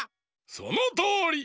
そのとおり！